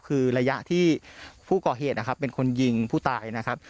คือระยะที่ผู้ก่อเหตุนะครับเป็นคนยิงผู้ตายนะครับ